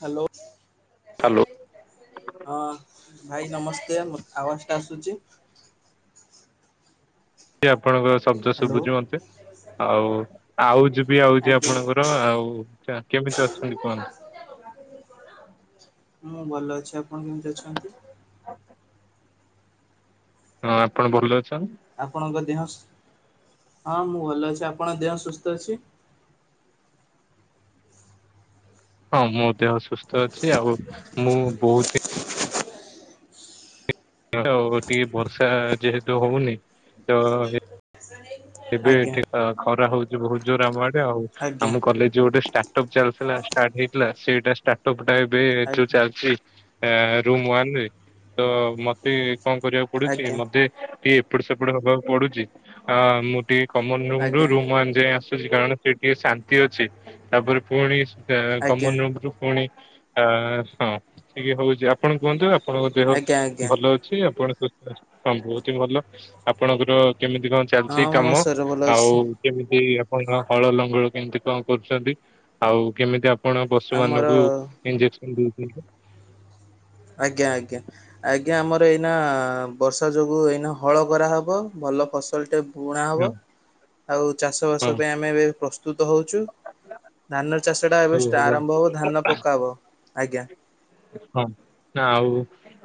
Hello. Hello. ହଁ ଭାଇ ନମସ୍ତେ ମ ଆବାଜ ଟା ଆସୁଛି। ଆଜ୍ଞା ଆପଣଙ୍କ ଶବ୍ଦ ହ୍ୟାଲୋ ସବୁଛି ମତେ। ଆଉ ଆଉ ଜିବି ଆଉଛି ଆଜ୍ଞା ଆପଣଙ୍କର ଆଉ କେମିତି ଅଛନ୍ତି କୁହନ୍ତୁ। ମୁଁ ଭଲ ଅଛି ଆପଣ କେମିତି ଅଛନ୍ତି। ହଁ ଆପଣ ଭଲ ଅଛନ୍ତୀ। ଆପଣଙ୍କ ଦେହ ହଁ ମୁଁ ଭଲ ଅଛି ଆପଣଙ୍କ ଦେହ ସୁସ୍ଥ ଅଛି। ହଁ ମୋ ଦେହ ସୁସ୍ଥ ଅଛି ଆଉ ମୁଁ ବହୁତ ତଉ ଟିକେ ବର୍ଷା ଯେହେତୁ ହଉନି ତ ଏବେ ଆଜ୍ଞା ଏଠି ଖରା ହଉଛି ବହୁତ ଜୋର ଆମ ଆଡେ ଆଉ ଆଜ୍ଞା ଆମ କଲେଜ ଗୋଟେ ଷ୍ଟା ଷ୍ଟାର୍ଟଅପ ଚାଲିଥିଲା ହେଇଥିଲା ସେଇଟା ଷ୍ଟାଟପ୍ ଟା ଏବେ ଯୋଉ ଆଜ୍ଞା ଚାଲିଛି। ରୁମ୍ ୱାନରେ ତ ମତେ କଣ କରିବାକୁ ପଡୁଛି ଆଜ୍ଞା ମତେ ଟିକିଏ ଏପଟ ସେପଡ ହବାକୁ ପଡୁଚି। ଆ ମୁଁ ଟିକେ କମନ ରୁମ୍ ରୁ ଆଜ୍ଞା ରୁମ୍ ୱାନ୍ ଯାଏ ଆ କାରଣ ସେଇଠି ଟିକେ ଶାନ୍ତି ଅଛି। ତାପରେ ପୁଣି ଆଜ୍ଞା କମନ ରୁମ୍ ରୁ ପୁଣି ଆ ହଁ ଟିକେ ହଉଚି ଆପଣ କୁହନ୍ତୁ ଆ ଆପଣଙ୍କ ଦେହ ଆଜ୍ଞା ଆଜ୍ଞା ଭଲ ଅଛି ଆପଣ ହଁ ବହୁତ୍ ହିଁ ଭଲ। ଆପଣଙ୍କର କେମିତି କଣ ହଁ ଚାଲିଚି ମୋ କାମ? ଶରୀର ଭଲ ଆଉ ଅଛି କେମିତି ଆପଣଙ୍କ ହଳ ଲଙ୍ଗଳ କେମିତି କଣ କରୁଚନ୍ତି ଆଉ କେମିତି ଆ କଣ ପଶୁ ଆମର ମାନଙ୍କୁ ଇଞ୍ଜେକ୍ସନ ଦଉଚନ୍ତି? ଆଜ୍ଞା ଆଜ୍ଞା। ଆଜ୍ଞା ଆମର ଏଇନା ବର୍ଷା ଯୋଗୁଁ ଏଇନା ହଳ କରାହବ ଭଲ ଫସଲଟେ ପୁରୁଣା ହଁ ହବ। ଆଉ ଚାଷବାସ ପାଇଁ ହଁ ଆମେ ଏବେ ପ୍ରସ୍ତୁତ ହଉଚୁ। ଧାନର ଚାଷ ଟା ଏବେ ହଉ ହଉ ଆରମ୍ଭ ହବ ଧାନ ପକା ହବ ଆଜ୍ଞା। ହଁ, ନା ଆଉ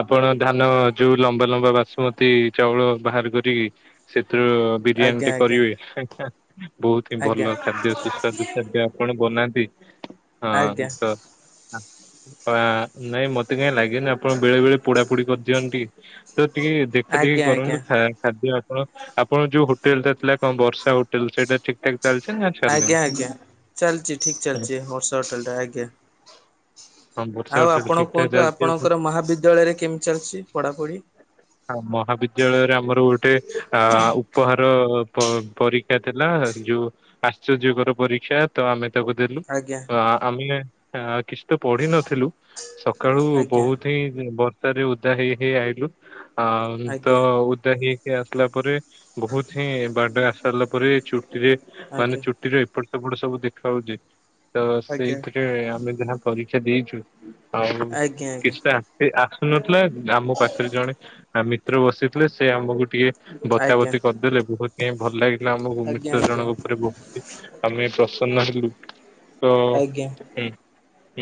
ଆପଣ ଧାନ ଯୋଉ ଲମ୍ବା ଲମ୍ବା ବାସୁମତୀ ଚାଉଳ ବାହାର କରିକି ସେଥିରୁ ବିରିୟାନୀ ଆଜ୍ଞା ଟେ କରିବେ, ବହୁତ୍ ହିଁ ଆଜ୍ଞା ଭଲ ଖାଦ୍ୟ ସୁସ୍ୱାଦୁ ଖାଦ୍ୟ। କଣ ବନାନ୍ତି? ହଁ ଆଜ୍ଞା ତ ନାଇଁ ମତେ କାଇଁ ଲାଗେନି ଆପଣ ବେଳେ ବେଳେ ପୋଡା ପୋଡି କରିଦିଅନ୍ତି ତ ଟିକେ ଦେଖୁ ଦେଖି ଆଜ୍ଞା ଆଜ୍ଞା ଆଜ୍ଞା କରନ୍ତୁ ଖା ଖାଦ୍ୟ ଆପଣ, ଆପଣ ଯୋଉ ହୋଟେଲ ଟା ଥିଲା କଣ ବର୍ଷା ହୋଟେଲ ସେଇଟା ଠିକ୍ ଠାକ୍ ଚାଲଚି ନା ଛାଡିଲେଣି? ଆଜ୍ଞା ଆଜ୍ଞା, ଚାଲଚି ଠିକ୍ ଚାଲଚି ବର୍ଷା ହୋଟେଲ ଟା ଆଜ୍ଞା। ହଁ ବର୍ଷା ଆଉ ହୋଟେଲ ଆପଣ ଠିକ ଠାକ କୁହନ୍ତୁ ଚାଲିଛି। ଆପଣଙ୍କର ମହାବିଦ୍ୟାଳୟରେ କେମିତି ଚାଲିଚି ପଢାପଢି? ହ ମହାବିଦ୍ୟାଳୟରେ ଆମର ଗୋଟେ ଅ ଉପହାର ପରୀ ପରକ୍ଷା ଥିଲା। ଯୋଉ ଆଶ୍ଚର୍ଯ୍ୟକର ପରୀକ୍ଷା। ତ ଆମେ ତାକୁ ଦେଲୁ। ଆଜ୍ଞା ଆମେ କିଛି ତ ପଢିନଥିଲୁ ଥିଲୁ। ସକାଳୁ ଆଜ୍ଞା ବହୁତ୍ ହିଁ ବର୍ଷାରେ ଓଦା ହେଇ ହେଇ ଆଇଲୁ। ଆ ଆଜ୍ଞା ତ ଆଜ୍ଞା ଓଦା ହେଇକି ଆସିଲା ପରେ ବହୁତ୍ ହିଁ ବାଟରେ ଆସୀସାରିଲା ପରେ ଚୁଟିରେ, ମାନେ ଆଜ୍ଞା। ଚୁଟିରେ ଏପଟ ସେପଟ ସବୁ ଦେଖା ହଉଚି। ତ ଆଜ୍ଞା ସେଇଥିରେ ଆମେ ଯାହା ପରୀକ୍ଷା ଦେଇଚୁ ଆଉ ଆଜ୍ଞା ଆଜ୍ଞା କିଛିଟା ସେ ଆସୁନଥିଲା ଆମ ପାଖେରେ ଜଣେ ମିତ୍ର ବସିଥିଲେ ସେ ଆମକୁ ଟିକେ ଆଜ୍ଞା ବତାବତି କରିଦେଲେ ବହୁତ୍ ହିଁ ଭଲ ଲାଗିଥିଲା ଆମୁକୁ ଆଜ୍ଞା ମିତ୍ର ଜଣଙ୍କ ଉପରେ ବହୁତ୍ ଆମେ ପ୍ରସନ୍ନ ହେଲୁ। ତ ଆଜ୍ଞା।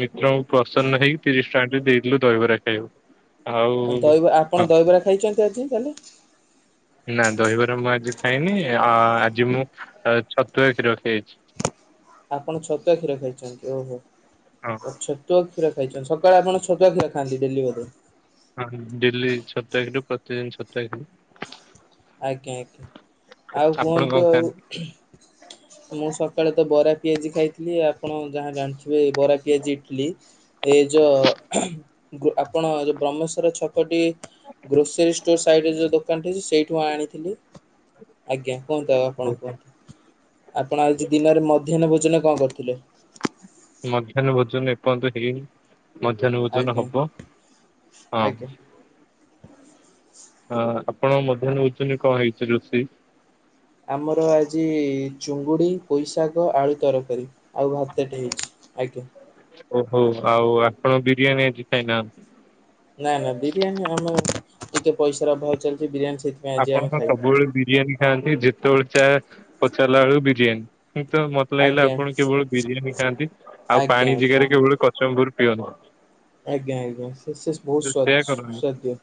ମିତ୍ର ପ୍ରସନ୍ନ ହେଇକି ତିରିଶ ଟଙ୍କା ଟେ ଦେଇଦେଲୁ ଦହିବରା ଖାଇବାକୁ। ଆଉ ଦହ ହଁ ଆପଣ ଦହିବରା ଖାଇଚନ୍ତି ଆଜି ତାହେଲେ? ନା ଦହିବରା ମୁଁ ଆଜି ଖାଇନି। ଆ ଆଜି ମୁଁ ଆ ଛତୁଆ କ୍ଷୀର ଖାଇଚି। ଆପଣ ଛତୁଆ କ୍ଷୀର ଖାଇଚନ୍ତି ଓହୋ। ହଁ। ଛତୁଆ କ୍ଷୀର ଖାଇଚନ୍ତି ସକାଳେ ଆପଣ ଛୁତୁଆ କ୍ଷୀର ଖଆନ୍ତି ଡେଲି ବଧେ? ହଁ ଡେଲି ଛତୁଆ କ୍ଷୀର ପ୍ରତିଦିନ ଛତୁଆ କ୍ଷୀର। ଆଜ୍ଞା ଆଜ୍ଞା ଆଉ ଆପଣ କଣ କୁହନ୍ତୁ ଆଉ ଖାଆନ୍ତି? [unintelligible] ମୁଁ ସକାଳେ ତ ବରା, ପିଆଜି ଖାଇଥିଲି। ଆପଣ ଯାହା ଜାଣିଥିବେ ବରା, ପିଆଜି, ଇଟିଲି। ଏ ଯୋଉ, ଆପଣ ଯୋଉ ବ୍ରହ୍ମେଶ୍ଵର ଛକଟି ଗ୍ରୋସରୀ ଷ୍ଟୋର ସାଇଡ୍ ରେ ଯୋଉ ଦୋକାନ୍ ଟି ଛୁଆ ଆଣିଥିଲି, ଆଜ୍ଞା କୁହନ୍ତୁ ଆଉ ଆପଣ କୁହନ୍ତୁ। ଆପଣ ଆଜି ଦିନରେ ମଧ୍ୟାହ୍ନ ଭୋଜନ କଣ କରିଥିଲେ? ମଧ୍ୟାହ୍ନ ଭୋଜନ ଏପର୍ଯ୍ୟନ୍ତ ହେଇିନି। ମଧ୍ୟାହ୍ନ ଭୋଜନ ଆଜ୍ଞା ହବ, ହଁ। ଆଜ୍ଞା ହଁ ଆପଣ ମଧ୍ୟାହ୍ନ ଭୋଜନରେ କଣ ହେଇଛି ରୋଷେଇ? ଆମର ଆଜି ଚୁଙ୍ଗୁଡ଼ି ପୋଇ ଶାଗ ଆଳୁ ତରକାରୀ। ଆଉ ଭାତଟେ ହେଇଛି, ଆଜ୍ଞା। ଓହୋ ଆଉ ଆପଣ ବିରିୟାନୀ ଆଜି ଖାଇନାହାନ୍ତି। ନା ନା ବିରିୟାନୀ ଆମେ ଟିକେ ପଇସାର ଅଭାବ ଚାଲିଛି ବିରିୟାନୀ ସେଇଥିପାଇଁ ଆପଣ କଣ ସବୁବେଳେ ବିରିୟାନୀ ଖାଆନ୍ତି, ଯେତେବେଳେ ଯାହା ପଚାରିଲାବେଳକୁ ବିରିୟାନୀ। ତ ମତେ ଲାଗିଲା ଆଜ୍ଞା ଆପଣ କେବଳ ବିରିୟାନୀ ଖାଆନ୍ତି ଆଉ ଆଜ୍ଞା ପାଣି ଆଜ୍ଞା ଜାଗାରେ କେବଳ ଶମ୍ଭରୁ ପିଅନ୍ତି। ଆଜ୍ଞା ଆଜ୍ଞା ସେ ସେ ବହୁତ ସେୟା କରନି ସ୍ୱାଦିଷ୍ଟ।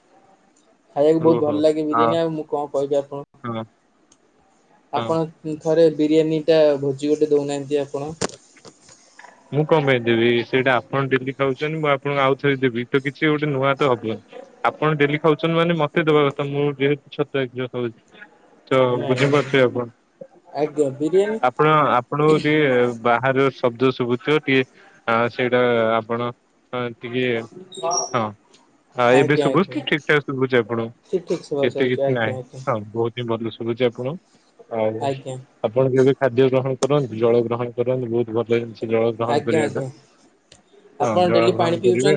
ଖାଇବାକୁ ଓହୋ ବହୁତ ହଁ ଭଲ ଲାଗେ ବିରିୟାନି ଆଉ ମୁଁ କଣ କହିବି ଆପଣଙ୍କୁ। ହଁ ହଁ। ଆପଣ ଥରେ ବିରିୟାନୀଟା ଭୋଜି ଗୋଟେ ଦଉନାହାଁନ୍ତି ଆପଣ। ମୁଁ କମ ପାଇଁ ଦେବି ସେଇଟା ଆପଣ ଡେଲି ଖାଉଛନ୍ତି ମୁଁ ଆପଣଙ୍କୁ ଆଉ ଥରେ ଦେବି ତ କିଛି ଗୋଟେ ନୂଆ ତ ହବନି। ଆପଣ ଡେଲି ଖାଉଛନ୍ତି ମାନେ ମତେ ଦବା କଥା ମୁଁ ଯେହେତୁ [unintelligible] ତ ନାଇଁ ବୁଝି ନାଇଁ ପାରୁଥିବେ ଆପଣ? ଆଜ୍ଞା ବିରିୟାନୀ ଆପଣ ଆପଣଙ୍କୁ ଟିକେ ବାହାର ଶବ୍ଦ ଶୁଭୁଛି। ଟିକେ ସେଇଟା ଆପଣ ଟିକେ, ହଁ ହଁ ଏବେ ଆଜ୍ଞା ଶୁଭୁଛି ଆଜ୍ଞା ଠିକ ଠାକ୍ ଶୁଭୁଛି ଆପଣ ଠିକ ଠିକ ଶୁଭା ଏତେ ଯାଉଛି କିଛି ଆଜ୍ଞା ନାହିଁ, ଆଜ୍ଞା ହଁ ବହୁତ ଏବେ ଭଲ ଶୁଭୁଛି ଆପଣଙ୍କୁ ଆଉ ଆଜ୍ଞା ଆପଣ ଯେବେ ଖାଦ୍ୟ ଗ୍ରହଣ କରନ୍ତି, ଜଳ ଗ୍ରହଣ କରନ୍ତୁ ବହୁତ ଭଲ ଜିନିଷ ଜଳ ଗ୍ରହଣ ଆଜ୍ଞା କରିବାଟା ଆଜ୍ଞା ହଁ ଆପଣ ଜଳ ଡେଲି ଗ୍ରହଣ ପାଣି କରିବେ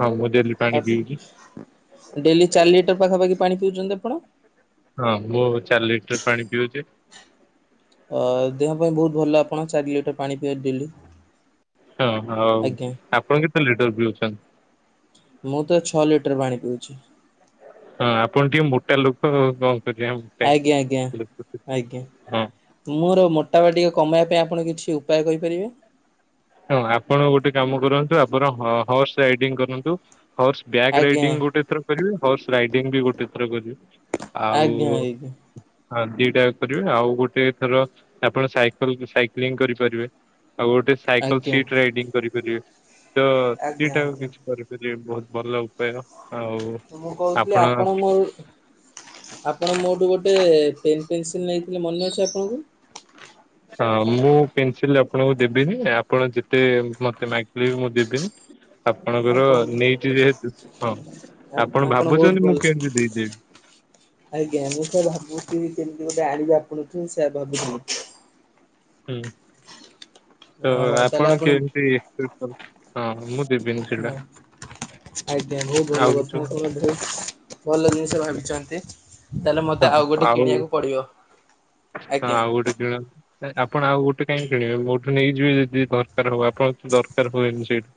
ହଁ ମୁଁ ଡେଲି ପାଣି ଆ ପିଉଛି ଡେଲି ଚାରି ଲିଟର ପାଖାପାଖି ପାଣି ପିଉଛନ୍ତି ଆପଣ? ହଁ ମୁଁ ଚାରି ଲିଟର ପାଣି ପିଉଛି। ଅ ଦେହ ପାଇଁ ବହୁତ ଭଲ ଆପଣ ଚାରି ଲିଟର ପାଣି ପିଇବାକୁ ଡେଲି। ହଁ ଆଉ ଆଜ୍ଞା ଆପଣ କେତେ ଲିଟର ପିଉଛନ୍ତି? ମୁଁ ତ ଛଅ ଲିଟର ପାଣି ପିଉଛି। ହଁ ଆପଣ ଟିକେ ମୋଟା ଲୋକ କଣ କରିବେ ମୋଟା ଆଜ୍ଞା ଆଜ୍ଞା ଆଜ୍ଞା [unintelligible] ହଁ ମୋର ମୋଟାପା କମାଇବା ପାଇଁ ଆପଣ କିଛି ଉପାୟ କହିପାରିବେ? ହଁ ଆପଣ ଗୋଟେ କାମ କରନ୍ତୁ ଆପଣ ହର୍ସ ରାଇଡିଙ୍ଗ କରନ୍ତୁ, ହର୍ସ ବ୍ୟାକ୍ ଆଜ୍ଞା ରାଇଡିଙ୍ଗ୍ ଗୋଟେ ଥର କରିବେ, ହର୍ସ ରାଇଡିଙ୍ଗ୍ ବି ଗୋଟେ ଥର କରିବେ। ଆଉ। ଆଜ୍ଞା ଆଜ୍ଞା ହଁ ଦିଟା କରିବେ ଆଉ ଗୋଟେ ଥର ଆପଣ ସାଇକଲ ସାଇକ୍ଲିଂ କରିପାରିବେ। ଆଉ ଗୋଟେ ସାଇକି ସାଇକଲ ଆଜ୍ଞା ସିଟ୍ ରାଇଡିଙ୍ଗ୍ କରିପାରିବେ ତ ଦି ଆଜ୍ଞା ଟା ଆଜ୍ଞା। କିଛି କରିପାରିବେ ବହୁତ ଭଲ ଉପାୟ। ଆଉ ମୁଁ କହୁଥିଲି ଆପଣ ମୋ ଆପଣ ମୋଠୁ ଗୋଟେ ପେନ୍ ପେନ୍ସିଲ୍ ନେଇଥିଲେ ମନେ ଅଛି ଆପଣଙ୍କୁ? ହଁ ମୁଁ ପେନସିଲ ଆପଣଙ୍କୁ ଦେବିନି ଆପଣ ଯେତେ ମତେ ମାଗିଲେ ବି ମୁଁ ଦେବିନି। [inaudible] ଆପଣଙ୍କର ଆପଣ ନେଇଛିି ଯେହେତୁ ହଁ ଆପଣ ବହୁତ ଭାବୁଚନ୍ତି ଭଲ ମୁଁ କେମିତି ଦେଇଦେବି। ଆଜ୍ଞା ମୁଁ ତ ଭାବୁଛି କେମିତି ଗୋଟେ ଆଣିବି ଆପଣଙ୍କଠୁ ସେଇଆ ଭାବୁଥିଲି। ହୁଁ। ତ ଆଉ ତାହେଲେ ଆପଣ କେମତି ହଁ ମୁଁ ଦେବିନି ହଁ ସେଗୁଡା। ଆଜ୍ଞା ବହୁତ ଭଲ କଥା, ହଁ ଆପଣ ବହୁତ ଭଲ ଜିନିଷ ଭାବିଛନ୍ତି। ତା ହେଲେ ମତେ ଆଉ ଗୋଟେ କିଣିବାକୁ ପଡିବ, ଆଜ୍ଞା। କୋଉଠି କିଣ? ଆପଣ ଆଉ ଗୋଟେ କାଇଁ କିଣିବେ ମୋଠୁ ନେଇଯିବେ ଯଦି ଦରକାର ହବ, ଆପଣ ତ ଦରକାର ହୁଏନି ସେଇଠୁ।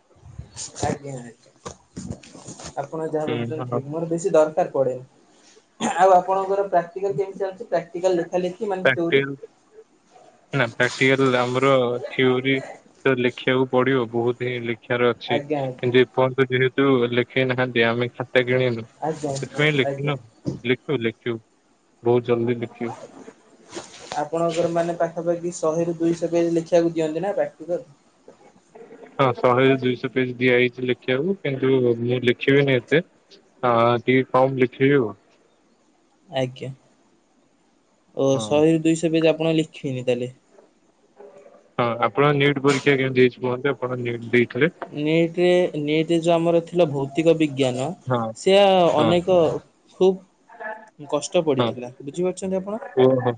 ଆଜ୍ଞା ଆଜ୍ଞା ଆପଣ ଯାହା ହୁଁ ଭାବୁଛନ୍ତି ହଁ ଠିକ୍ ମୋର ବେଶି ଦରକାର ପଡେ। ଆଉ ଆପଣଙ୍କର ପ୍ରାକ୍ଟିକାଲ୍ କେମିତି ଚାଲିଛି ପ୍ରାକ୍ଟିକାଲ୍ ଲେଖା ଲେଖି ମାନେ ଥିଓରି? ପ୍ରାକ୍ଟିକାଲ ନା ପ୍ରାକ୍ଟିକାଲ ଆମର ଥିଓରି ତ ଲେଖିବାକୁ ପଡିବ ବହୁତ ହିଁ ଲେ ଲେଖିବାର ଅଛି ଆଜ୍ଞା ଆଜ୍ଞା କିନ୍ତୁ ଏପର୍ଯନ୍ତ ଯେହେତୁ ଲେଖେଇ ନାହାଁନ୍ତି ଆମେ ଖାତା କିଣିନୁ। ଆଜ୍ଞା ସେଥିପାଇଁ ଆଜ୍ଞା। ଲେଖିନୁ ଲଖୁବୁ ଲେଖୁବୁ ବହୁତ ଜଲଦି ଲେଖୁବୁ। ଆପଣଙ୍କର ମାନେ ପାଖାପାଖି ଶହେରୁୁ ଦୁଇଶହ ପେଜ୍ ଲେଖିବାକୁ ଦିଅନ୍ତି ନା ପ୍ରାକ୍ଟିକାଲ୍। [inaudible] ହଁ ଶହେରୁ ଦୁଇଶହ ପେଜ ଦିଆ ହେଇଛି ଲେଖିବାକୁ କିନ୍ତୁ ମୁଁ ଲେଖିବିନି ଏତେ। ହଁ ଟିକେ କମ୍ ଲେଖିବି। ଆଜ୍ଞା ଓ ହଁ। ଶହେରୁ ଦୁଇଶହ ପେଜ ଆପଣ ଲେଖିବେନି ତା ହେଲେ। ହଁ ଆପଣ ନିଟ୍ ପରୀକ୍ଷା କେମିତି ହେଇଚି କୁହନ୍ତୁ ଆପଣ ନିଟ୍ ଦେଇଥିଲେ? ନିଟ୍ ରେ ନିଟ୍ ଯୋଉ ଆମର ଥିଲା ଭୌତିକ ବିଜ୍ଞାନ। ହଁ ସେଆ ହଁ। ଅନେକ ଖୁବ୍ କଷ୍ଟ ପଡିଥିଲା ବୁଝିପାରୁଚନ୍ତି ଆପଣ। ହୁଁ ହୁଁ।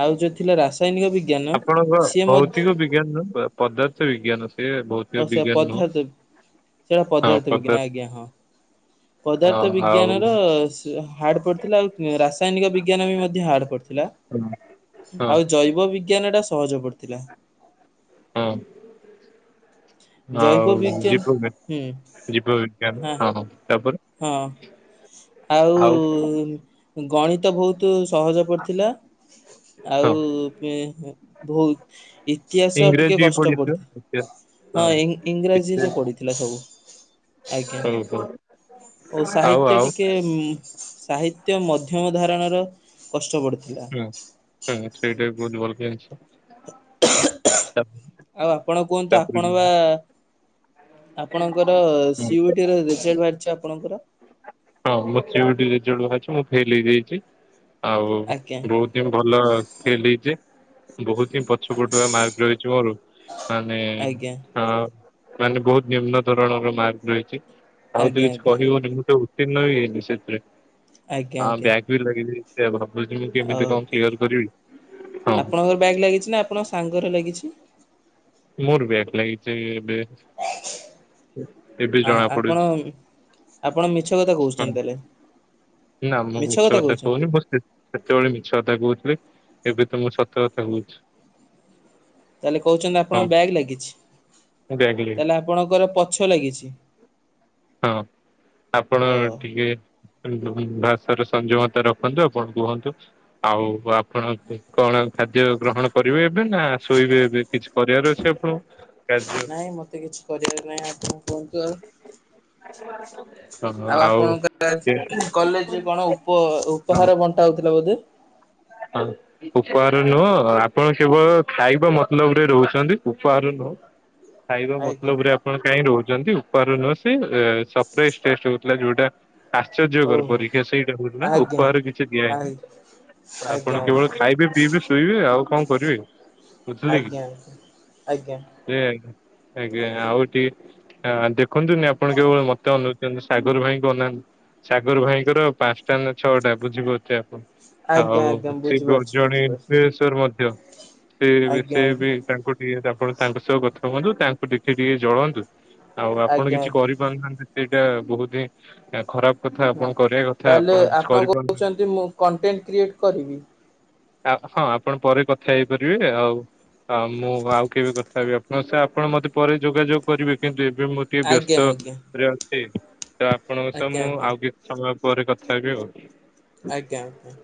ଆଉ ଯୋଉ ଥିଲା ରାସାୟନିକ ବିଗ୍ ଆପଣଙ୍କ ଭୌତିକ ବିଜ୍ଞାନ ନୁହଁ ପଦାର୍ଥ ବିଜ୍ଞାନ। ଏ ଓ ଭୌତିକ ସେ ବିଜ୍ଞାନ ନୁ ପଦାର୍ଥ ସେଇଟା ହଁ ହଁ ବିଜ୍ଞାନ ପଦାର୍ଥ ଆଜ୍ଞା ହଁ। ପଦାର୍ଥ ବିଜ୍ଞାନର ହାର୍ଡ଼ ପଡ଼ିଥିଲା ଆଉ ରାସାୟନିକ ବିଜ୍ଞାନ ବି ମଧ୍ୟ ହାର୍ଡ଼ ପଡ଼ ଥିଲା ହଁ ହଁ ଆଉ ଜୈବ ବିଜ୍ଞାନ ଟା ସହଜ ପଡିଥିଲା। ହଁ। ଜୈବ ଆଉ ବିଜ୍ଞାନ ଜୀବ ହୁଁ ଜୀବବିଜ୍ଞାନ ଆ ହଁ ତାପରେ। ହଁ ଆଉ ଗଣିତ ବହୁତୁ ସହଜ ପଡ଼ିଥିଲା ଆଉ ହଁ ଭଉ ଇତିହାସ ଟିକେ ଇଂରାଜୀ ବି କଷ୍ଟ ପଢିଥିବ ପଡି ଇତିହାସ ହଁ ଇଂରାଜୀରେ ପଡିଥିଲା ସବୁ। ଆଜ୍ଞା। ହୁଁ ହୁଁ। ଓ ସାହିତ୍ୟ ଟିକେ ସାହିତ୍ୟ ମଧ୍ୟମ ଧାରଣର କଷ୍ଟ ପଡ଼ିଥିଲା। ହଁ ସେଇଟା ବି ବହୁତ୍ ଭଲ ଜିନିଷ। ତାପ- ଆଉ ଆପଣ କୁହନ୍ତୁ ତାପରେ ଆପଣ ବା ଆପଣଙ୍କର ହୁଁ, ସିୟୁଟି ର ରେଜଲ୍ଟ ବାହାରିଛି ଆପଣଙ୍କର। ହଁ ମୋ ସିୟୁଟି ରେଜଲଟ୍ ବାହାରିଚି ମୁଁ ଫେଲ୍ ହେଇଯାଇଚି, ଆଉ ଆଜ୍ଞା ବହୁତ ଭଲ ହେଇ ଯେ ବହୁତ ପଛ ପଟୁଆ ମାର୍କ ରହିଛି ମୋର ମାନେ ଆଜ୍ଞା ହଁ ମାନେ ବହୁତ ନିମ୍ନ ଧରଣର ମାର୍କ ରହିଛି ଆଉ ତ ଆଜ୍ଞା କିଛି ଆଜ୍ଞା କହିବ ଉତ୍ତୀର୍ଣ୍ଣ ବି ହେଇନି ସେଥିରେ ଆଜ୍ଞା ଆଉ ଆଜ୍ଞା। ବ୍ୟାଗ୍ ବି ଲାଗି ଯାଇଚି [unintelligible] ବୁଝିମି ଓ କେମିତି କଁ କ୍ଲିୟର କରିବି ହଁ। ଆପଣଙ୍କର ବ୍ୟାଗ୍ ଲାଗିଛି ନା ଆପଣଙ୍କ ସାଙ୍ଗର ଲାଗିଛି? ମୋର ବ୍ୟାଗ ଲାଗିଛି ଏବେ ଏବେ ଆ ଜଣା ଆପଣ ପଡୁଛି। ଆପଣ ମିଛ କଥା ହଁ କହୁଛନ୍ତି ତାହେଲେ। ନା ମୁଁ ମିଛ କଥା କହୁନି। ବାସ୍ ସେତେବେଳେ ମିଛ କଥା କହୁଥିଲି ଏବେ ତ ମୁଁ ସତ କଥା କହୁଛି। ତାହେଲେ କହୁଛନ୍ତି ହଁ ଆପଣଙ୍କ ବ୍ୟାକ୍ ଲାଗିଛି ମୁଁ ବ୍ୟାକ୍ ଲାଗିଛି ତାହେଲେ ଆପଣଙ୍କର ପଛ ଲାଗିଛି। ହଁ ଆପଣ ହ। ଟିକେ। ଉଁ ଭାଷାର ସଂଯମତା ରଖନ୍ତୁ ଆପଣ କୁହନ୍ତୁ। ଆଉ ଆପଣ କଣ ଖାଦ୍ୟ ଗ୍ରହଣ। କରିବେ ଏବେ ନା ଶୋଇବେ ଏବେ କିଛି କରିବାର ଅଛି ଆପଣଙ୍କୁ କାର୍ଯ୍ୟ। ନାହିଁ ମତେ କିଛି। କରିବାର ନାଇଁ ଆପଣ କୁହନ୍ତୁ ଆଉ। [unintelligible] ଆଉ ଆପଣଙ୍କର‌ ଆଉ ଆଜି କଲେଜରେ କଣ ଉପ ହଁ ଉପହାର ବଣ୍ଟା ହଉଥିଲା ବୋଧେ। ହଁ। ଉପହାର ନୁହଁ ଆପଣ କେବଳ ଖାଇବା ମତଲବ ରେ ରହୁଛନ୍ତି ଉପହାର ନୁହଁ। ଖାଇବା ଆଜ୍ଞା ମତଲବରେ ଆପଣ କାହିଁ ରହୁଛନ୍ତି ଉପହାର ନୁହଁ ସେ ସଫେଇ ଟେଷ୍ଟ ଥିଲା ଯୋଉଟା ଆଶ୍ଚର୍ଯ୍ୟକର ଓହୋ। ପରୀକ୍ଷା ସେଇଟା ହଉଥିଲା ଆଜ୍ଞା ଉପହାର କିଛି ଆ ଦିଆହେଇନି। ଆଜ୍ଞା ଆପଣ ଆଜ୍ଞା କେବଳ ଖାଇବେ ପିଇବେ ଶୋଇବେ ଆଉ କଣ କରିବେ। ଆଜ୍ଞା ଆଜ୍ଞା ଆଜ୍ଞା‌। ଆଜ୍ଞା ଆଜ୍ଞା ଆଉଟିକେ। ଆଁ ଦେଖନ୍ତୁନି ଆପଣ କେବଳ ମତେ ଅନଉଛନ୍ତି ସାଗର ଭାଇ କ ଅନାନ୍ତୁ। ସାଗର ଭାଇଙ୍କର ପାଞ୍ଚଟା ନା ଛଅଟା ବୁଝିିପାରୁ ଥିବେ ଆପଣ। ଆଜ୍ଞା ଆଉ ଆଜ୍ଞା ସେ ବ୍ଲ ବୁଝିପାରୁଛି ଜଣେ ବୁଝିପାରୁଛି ଇନ୍ଫ୍ଲୁଏନସର ମଧ୍ୟ ସେ ସେ ଆଜ୍ଞା ଆଜ୍ଞା ବି ତାଙ୍କୁ। ଠିକ୍ ଅଛି ଆପଣ ତାଙ୍କ ସହ କଥା ହୁଅନ୍ତୁ ତାଙ୍କୁ ଦେଖି ଟିକେ ଜଳନ୍ତୁ ଆଉ ଆପଣ ଆଜ୍ଞା କିଛି ଆଜ୍ଞା। କରିପାରୁ ନାହାନ୍ତି। ସେଇଟା ବହୁତ ହିଁ ଖରାପ କଥା ହଁ ଆପଣ କରିବା କଥା ତାହେଲେ ଆପଣ କିଛି କରିପାରୁନାହାନ୍ତି। କହୁଛନ୍ତି ମୁଁ କଣ୍ଟେଣ୍ଟ କ୍ରିଏଟ୍ କରିବି। ଆ ହଁ ଆପଣ ପରେ କଥା ହେଇପାରିବେ ଆଉ। ହଁ ମୁଁ ଆଉ କେବେ କଥା ହେବି ଆପଣ ସାଙ୍ଗେ ଆପଣ ମତେ ପରେ ଯୋଗାଯୋଗ କରିବେ କିନ୍ତୁ ଏବେ ମ ଟିକେ ଆଜ୍ଞା ବ୍ୟସ୍ତ ଆଜ୍ଞା ରେ ଅଛି ତ ଆପଣଙ୍କ ସହ ଆଜ୍ଞା ଆଜ୍ଞା ମୁଁ ଆଉ କେବେ। ସମୟ ପରେ କଥା ହେବି ଆଉ। ଆଜ୍ଞା ଆଜ୍ଞା।